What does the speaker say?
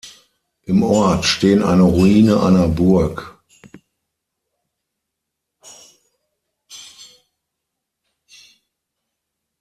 Im Ort stehen eine Ruine einer Burg.